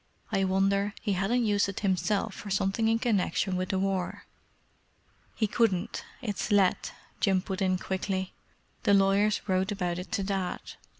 "I wonder he hadn't used it himself for something in connexion with the War." "He couldn't—it's let," Jim put in quickly. "The lawyers wrote about it to Dad.